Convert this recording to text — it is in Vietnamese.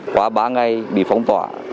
quá ba ngày bị phóng tỏa